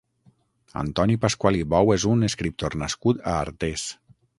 Antoni Pascual i Bou és un escriptor nascut a Artés.